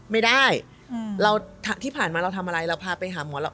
ไม่ได้ที่ผ่านมาเราทำอะไรเราพาไปหาหมอ